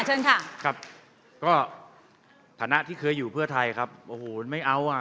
เชิญค่ะครับก็ฐานะที่เคยอยู่เพื่อไทยครับโอ้โหไม่เอาอ่ะ